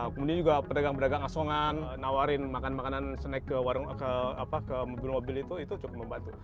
kemudian juga pedagang pedagang asongan nawarin makan makanan snack ke mobil mobil itu cukup membantu